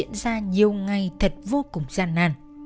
diễn ra nhiều ngày thật vô cùng gian nàn